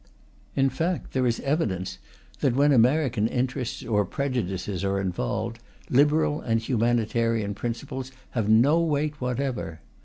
In fact, there is evidence that when American interests or prejudices are involved liberal and humanitarian principles have no weight whatever.